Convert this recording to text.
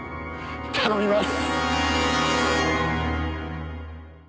頼みます！